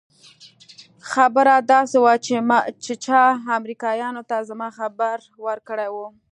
خبره داسې وه چې چا امريکايانو ته زما خبر ورکړى و.